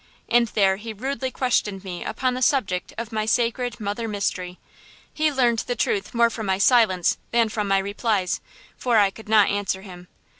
And there he rudely questioned me upon the subject of my sacred mother mystery. He learned the truth more from my silence than from my replies, for I could not answer him."